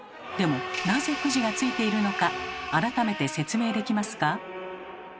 でもなぜくじが付いているのか改めて説明できますか？